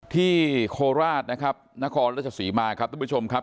ที่โคลราชนะครับนครราชสีมาครับท่านผู้ชมครับ